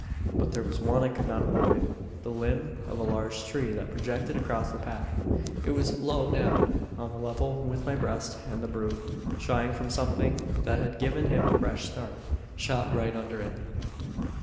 "But there was one I could not avoid the limb of a large tree that projected across the path. It was low down on a level with my breast and the brute, shying from something that had given him a fresh start, shot right under it.